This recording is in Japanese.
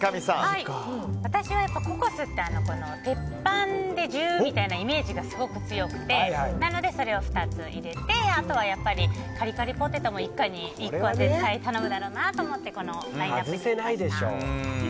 私はココスって鉄板でジューみたいなイメージがすごく強くてなので、それを２つ入れてあとはやっぱりカリカリポテトも一家に１個絶対頼むだろうなと思ってこのラインアップにしました。